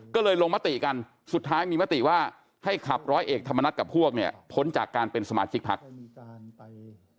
ก็เลยลงมติกันสุดท้ายมีมติว่าให้ขับร้อยเอกธรรมนัฐกับพวกเนี่ยพ้นจากการเป็นสมาชิกพัก